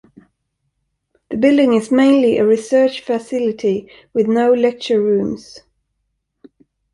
The building is mainly a research facility with no lecture rooms.